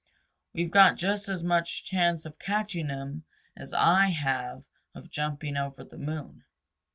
"We've got just as much chance of catching him as I have of jumping over the moon.